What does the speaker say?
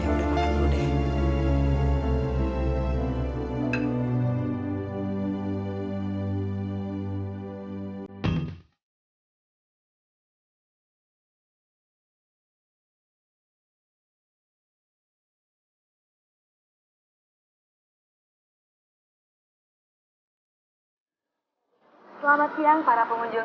ya udah makan dulu deh